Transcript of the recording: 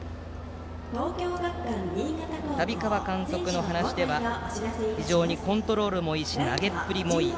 旅川監督の話では非常にコントロールもいいし投げっぷりもいい。